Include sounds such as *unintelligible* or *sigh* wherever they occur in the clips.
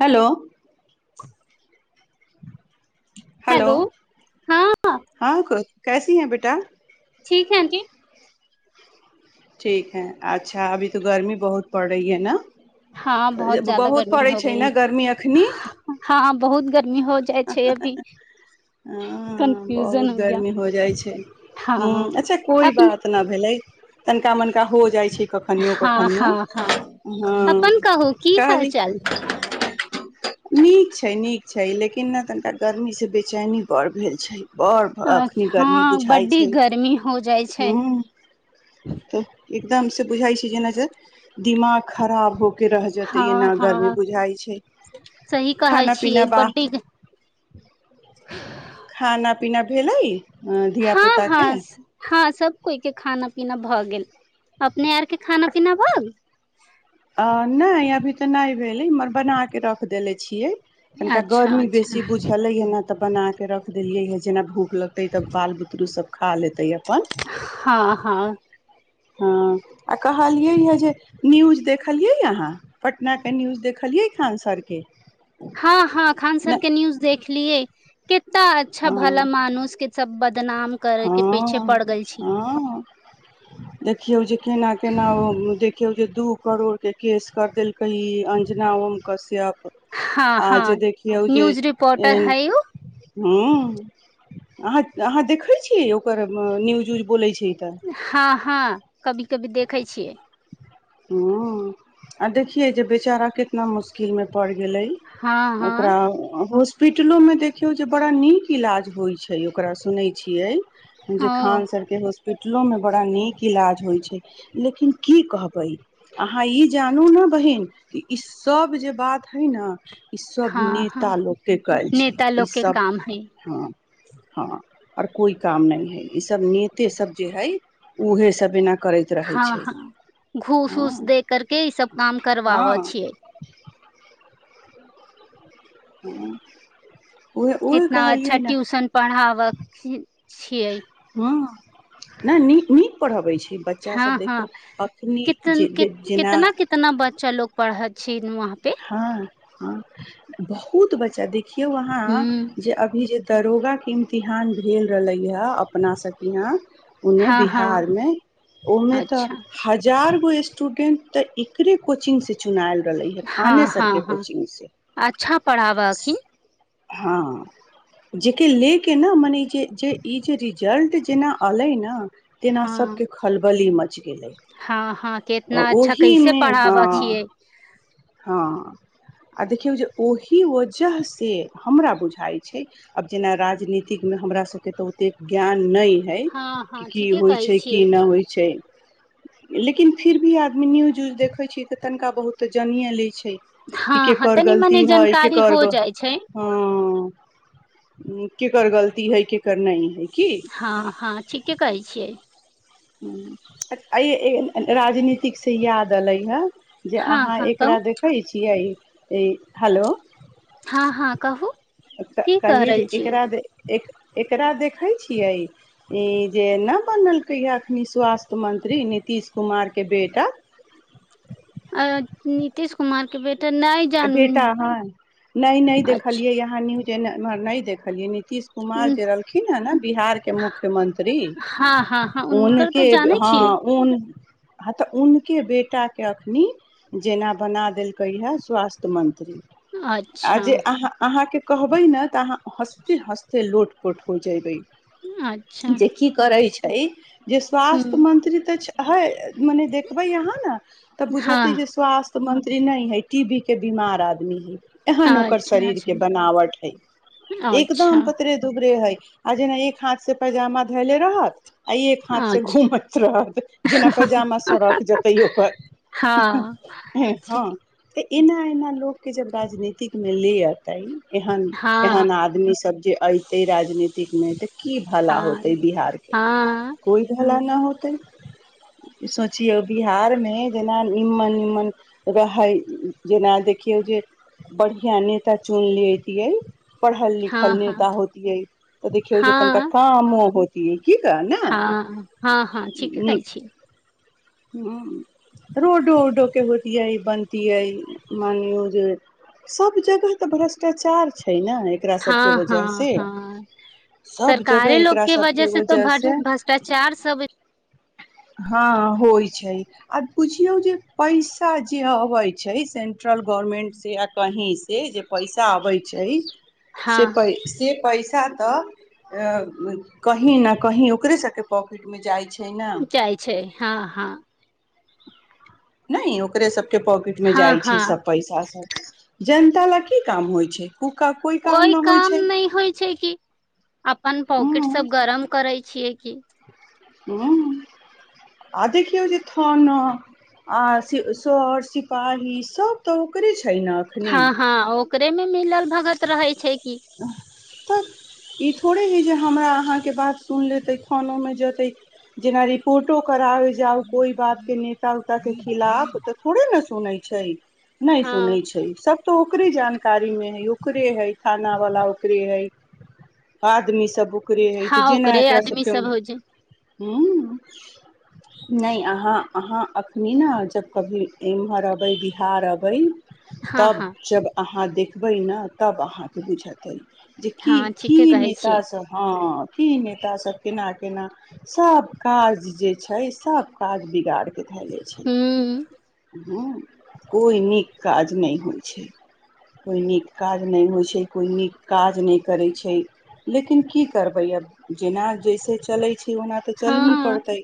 Hello hello हँ हाँ क- कैसी है बेटा ठीक है आंटी ठीक है अच्छा अभी तऽ गर्मी बहुत पड़ रही है न हाँ ज्यादा बहुत गर्मी पड़ै हो छै गई है ने गर्मी एखनि हाँ बहुत गर्मी हो जाइ छै अभी ह कन्फ्यूजन बहुत गया गर्मी हो जाइ छै ह हाँ अच्छा कोइ अपन बात नहि भेलै तनिका मननकिका हो जाइ छै कखनियो हाँ कखनियो हाँ हाँ हँ अपन कहू की हाल कहली चाल नीक छै नीक छै लेकिन ने तनिका गर्मीसँ बेचैनी बड़ भेल छै बड़ एखनी गर्मी हँ बुझाइ बड्डी छै गर्मी हो जाइ छै एकदमसँ बुझाइ छै जेना जे दिमाग खराब होके रहि जेतै हाँ एना हाँ गर्मी बुझाइ छै सही कहै खाना पीना छियै बा बड्डीक *inaudible* खाना पीना भेलै धिया हँ पुता के हँ हँ सभ कोइकेँ खाना पीना भऽ गेल अपने आरकेँ खाना पीना भएल आ नहि अभी तऽ नहि भेल मगर बनाकेँ रख देले छियै गेल तनिका अच्छा गर्मी अच्छा बेसी बुझलैए न तऽ बनाकेँ रख देलियै ह जेना भूख लगतै तब बाल बुतरु सभ खा लेतैय अपन हाँ हाँ हुँ आ कहलियै ह जे न्यूज देखलियै अहाँ पटनाकेँ न्यूज देखलियै खान सरके हँ हँ खानसर केँ न्यूज देख देखलियए केत तऽ अच्छा हँ भला मानुसकेँ सभ हँ हँ देखियौ जे केना केना ओ देखियौ जे दू करोड़ केँ केस करि देलकै ई अंजना ओमकश्यप हँ हँ न्यूज रिपोर्टर हइ उ हुँ अहाँ अहाँ देखैत छी यै ओकर न्यूज उज बोलै छै तऽ हँ हँ कभी कभी देखै छियै हुँ आ देखियै जे बेचारा कितना मुश्किलमे पड़ि गेलै हँ हँ ओकरा होस हॉस्पिटलोमे देखियौ जे बड़ा नीक इलाज होइत छै ओकरा सुनैत छियै जे ओ खान सरकेँ हॉस्पि पीटलोमे बड़ा नीक इलाज होइ छै लेकिन की कहब बइ अहाँ ई जानू न बहीन कि ईसभ जे बात हइ न ई सभ हँ हँ नेता लोककेँ कएल छै नेता ई लोग के सभ काम है हँ हँ आओर कोइ काम नहि हइ ई सभ नेते सभ जे हइ उहेसभ एना करैत रहै हँ छै हँ घूस हँ उस दे करके ई सभ काम करबाबैय हँ छिये हँ *inaudible* कितना अच्छा कहलियै ने ट्यूशन पढ़ाव की हँ नहि नीक नीक पढ़बै छै हँ बच्चासभ हँ देखियौ अखनी कितन जे कित, जेन जेना छेलि वहाँ पे *unintelligible* हँ हँ बहुत बच्चा देख देखियौ अहाँ हूँ जे अभी जे दरोगाकेँ इम्तिहान भेल रहलै ह अपना सभकेँ यहाँ एन्ने हँ हँ बिहारमे ओहिमे तऽ अच्छा हजार चार गो स्टूडेंट तऽ एकरे कोचिंगसँ चुनाएल रहलै ह खाने हँ सरकेँ कोचिंगसँ हखिन *unintelligible* हँ जाहिकेँ ले केँ ने मने ई जे जे इ जे रिज जल्ट जेना अलै न तेना हँ सभकेँ खलबली मच गेलै हँ हँ आ केितना अच्छा कैसे ओहिमे हँ पढ़ाबऽ छियै हँ आ देखियौ जे ओहि के वजहसँ हमरा बुझाइ छै आब जेना राजनीतिकमे हमरा सभकेँ तऽ ओतेक ज्ञान नहि हइ हँ कि हँ की ठीके होइ कहै छै की छियै नहि होइ छै लेकिन फिर भी आदमी न्यूज उूज देखैत छीये तऽ तनिका बहुत तऽ जानिय लै छी कि हँ हँ केकर तनी मनी गलती हय की जानकारी कर हो ग जाइ छै हँ केकर गलती हय केकर नहि हय हँ हँ ठीके कहैत छियै हुँ ऐ ए राजनीतिक सँ याद अलै ह जे हँ अहाँ हँ कहू एकरा देखैत छियै ई हेलो हँ हँ कहू की कहि कहलियै जे रहल छिये एकरा एक एकरा देखैत छियै जे नहि बनल कहिया अखनी स्वास्थ्य मंत्री नीतिश कुमारकेँ बेटा आंय नीतीश कुमारकेँ बेट बेटा हय नहि नहि अच्छा देखलियै अहाँ न्यूज एना एम्हर नहि देखलियै न्यू नीतीश कुमार जे रहलखिन हँ न बिहारकेँ मुख्यमंत्री हँ हँ हँ हुनकर तऽ हुनके बे जानै सँ छियै हुन हँ तऽ हुनके बेटाकेँ एखनि जेना बना देलकै हेँ स्वास्थ्य मंत्री आ अच्छा जे अहाँ अहाँके कहबै ने तऽ अहाँ हँस्ते हँस्ते लोट पोट हो ज‌इब‌इ अच्छा जे की करै छैय। त ई जे स्वास्थ ह मंत्री तऽ हय मने देखबे यहां ने तऽ बुझतय हँ जे स्वास्थ मंत्री नहि हय टीबी के बीमार आदमी हइ एहन ओकर अच्छा शरीर अच्छा के बनावट हय अच्छा एकदम पतरे दुबरे हय। आ जेना एक हाथ से पैजामा धैले रहत आ एक हाथसँ अच्छा घूमैत रहत जेना पैजामा सड़क जेतै ओकर हँ हँ ठीके तऽ एना एना लोकके जब राजनीतिकमे ले ऐतै एहन एहन हँ आदमी सब जे अयते राजनीतिकमे त की भला हँ होतय बिहार के हँ कोइ भला न होतै सोचियोअ बिहारमे जेना निमन निमन रहै जेना देखियौ जे बढ़िआँ नेता चुन लैतियै पढ़ल लिखल हँ नेता हँ होतिये तऽ देखियौ जे तनिका हँ कामो होत कि हँ हँ हँ ठीके कहै छी हु रोडो ओडो के होतीयै बन्द तियै मान लौ जे सब जगह तऽ भ्रष्टाचार छैय। हँ हँ हँ सब सरकारे जगह लोग एकरा के वजह सबके से तऽ से भ्रष्टाचार सब हँ होइ छैय आ बुझियौ जे पैसा जे बय छैय सेंट्रल गवर्नमेंट से आ कहींसँ जे पैसा अबै छैय से हँ प से पैसा तऽ कही ने कही ओकरे सबके पॉकेट मे जाइ छैय। जाइ छैय हँ हँ ने ओकरे सब के पॉकेट मे हँ जाइ छैय हँ सब पैसा सब ज ालए की काम होइ छै क कोइ न होइ काम छै नहि होइ छै कि अपन ह पॉकेट सब गरम करै छै छिय की ह आ देखौ जे थन आ सर सिपाही सब तऽ ओकर छानाखनी हँ *inaudible* हँ ओकरे मे मिलल भगत रहे छै कि तऽ ई थोड़े ह जे *inaudible* करा जाउ कोइ बात के नेता तक खिलाफ तऽ थोड़े ने सुनैत छै नहि हँ सुनै छै सब तो ओकरे जानकारी में है ओकरे है ख वला ओकरे है आदमी सब ओकरे हइ हँ ओकरे आदमी सब होज हू नहि अहाँ अहाँ अखनी ने जब कभी एम्हर अबै बिहार अबै हँ तब हँ जब अहाँ देख बहिना तबहाँ त बुझतै जे की हँ की ठीके कहै छियै नेता सब हँ की नेता सब केना केना सब काज जे छै सब काज बिगाड़ के धैले छै हूँ कोइ नीक काज नहि होइत छै कोइ नीक काज नहि होइत छै कोइ नीक काज नहि करैत छै लेकिन की करबै अब जेना जैसे चलैत ओना तऽ चलही हँ पड़तै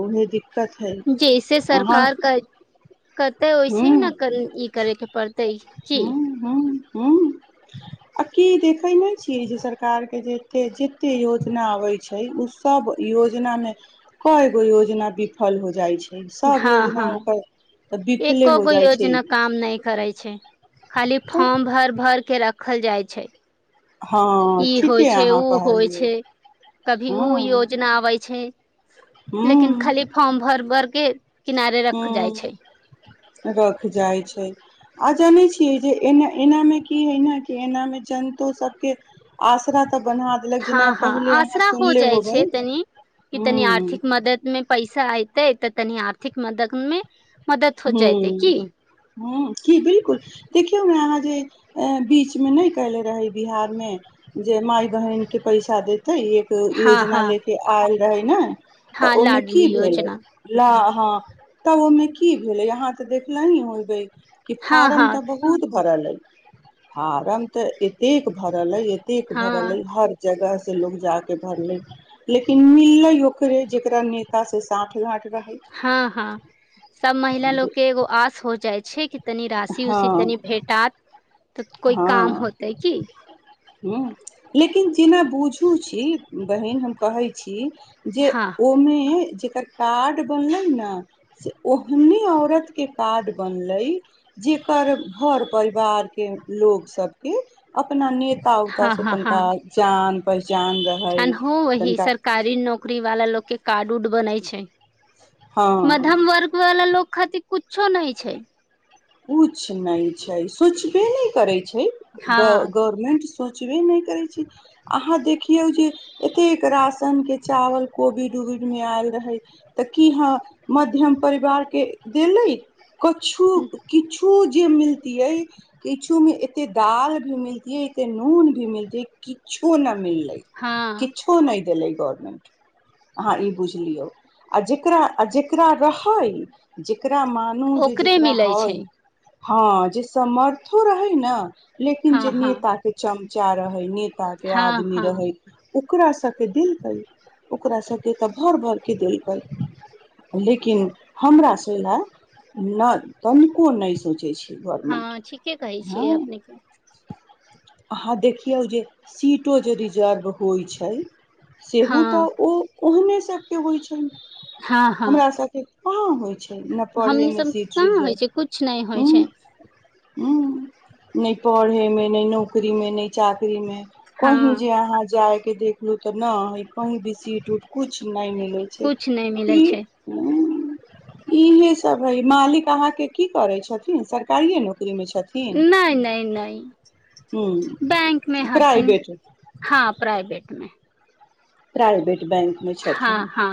ओह द जैसे सरकार क कतै हूँ ओहिसे ने क ई करयके पड़तै की ह आ की देखै नहि छियै जे सरकारके जते जते योजना अबै छै ओ सब योजनामे कगो योजना विफल हो जाइ छै सभ योजना ओकर तऽ विफले हो एकोगो जाइ छै योजना काम नहि करै छै खाली तऽ फॉर्म भर भर के रख रखल जाइ छै हँ ई होइ ठीके छै अहाँ ओ होइ कहलियै छै कभी ओ हँ योजना अबै छै लेकिन खाली फॉम भर वर् के किनारे रख जाइ छै ह रख जाइ छै आ जानै छियै जे एना एनामे की हइ ने कि एनामे जनतो सबके आसरा तऽ बन्हा देलक जेना हँ हँ पहिले अहाँ आसरा हो सुनले जाइ होबै छै तनि कि तनि हूँ आर्थिक मदद मे पैसा ऐतै तऽ तनी आर्थिक मददमे ह ह की बिलकुल देखियौने अहां जे बीच में नहि कले रहे बिहार में जे माय बहिन के पैसा दे तऽ एक हँ योजना हँ लेके आयल रहइ ने तऽ हँ ओहिमे लाडली की भेलै योजना ल हँ तब ओमे भेलले यहा ते देखले ही होबे की हँ फार्म तऽ हँ बहुत भरेलै फारम तऽ एतेक भरलै एतेक भरलै हँ हर जगह स लोग जाक भरलै लेकिन मिललै ओकरे जेकरा नेता से सांठ घाट हँ हँ सब महिला लोग के एगो आस हो जाइ छै कि तनी रासी उसी हँ तनी भेटात तऽ कोइ काम हँ होतै की ह लेकिन जेना बुझू छी बहिन हम कहै छी जे हँ ओमे जे कार्ड बनलै न से ओहने औरतके कार्ड बनलै जेकर घर परिवार के लोग सबके अपना ने हँ हँ हँ पहचान रहै अनहो वहि तनिका सरकारी नौकरी वाला लोक के कार्ड उड बनाय छै हँ मध्यम वर्ग वाला लोक खाति कुच्छो नहि छै कुछ नहि छै सोचबे नहि करै छै छै हँ गवर्मेन्ट सोचबे नहि करै छी अहाँ देखियौ जे एतेक राशनके चावल कोबिड उबिडमे आयल रहै तऽ की हँ मध्यम परिवारके देलै कछू किछु जे मिलतै किछुमे एते दाल भी मिलतै एते नून भी मिलतै किछु किछो न मिललै हँ किछो नहि देलैय गबरमेंट अहाँ ई बुझि लियौ आ जेकरा आ जेकरा रहैत जेक जेकरा मानु जे ओकरे जेकरा मिलै हय छै हँ जे सामर्थो रहै न लेकिन जे हँ हँ नेताकेँ चम चा रहै ने ताकेँ हँ आदमी हँ रहैत ओकरा सभकेँ देलकै ओकरा सभकेँ तऽ भरि भरिकेँ देलकै लेकिन हमरा सभ लए नहि तनि को नहि सोचैत छै हँ ठीके कहै छियै हँ अपने के अहाँ देखियौ जे सीटो जे रिजर्व होइत छै सेहो हँ तऽ ओ ओहने सभके होइत छनि हँ हँ हमरा स के कहां होइ छै न पढ़े हमनी मे सब सीट कहाँ होइ रिजर्व छै किुछ नहि होइ छै ह नहि पढ़ैमे नहि नौकरी नौकरीमे नहि चाकरीमे कही हँ जे अहाँ जाय के देखलूँ तऽ न ह‌इ कहीं भी सीट उट कुछ नहि मिलै छै कुछ नहि मिलै ई छै इमे सब है मालिक अहाँके की करै छथिन सरकारीए नौकरी मे छथिन नहि नहि नहि हुं बैंक मे हथिन प्राइवेट हँ प्राइवेट *inaudible* प्राइवेट बैंक मे छथिन हँ हँ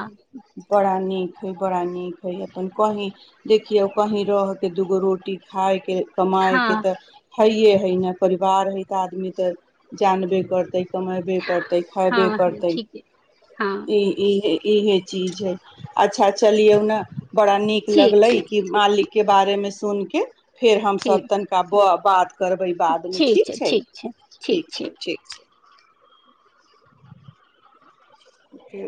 बड़ा नीक नीक हइ बड़ा नीक हइ अपन कहीँ देखियौ कहीँ रहके दूगो रोटी खायके हँ कमायके तऽ हइे हइ न परिवार हइ तऽ आदमी तऽ जानबे करतै कमेबे करतै खयबे हँ हँ करतै ठीके हँ इ‌ इ इहे चीज हइ अच्छा चलियौ न बड़ा नीक ठीक लगलै छै की मालिक के बारेमे सुनिके फेर ठीक हमसभ तनिका बप बात करबै बादमे ठीक छै ठीक छै ठीक छै जे